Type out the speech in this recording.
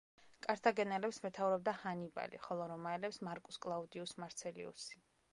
კართაგენელებს მეთაურობდა ჰანიბალი, ხოლო რომაელებს მარკუს კლაუდიუს მარცელიუსი.